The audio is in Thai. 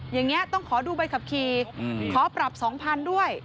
อย่างนี้ต้องขอดูใบขับขี่ขอปรับ๒๐๐๐ด้วย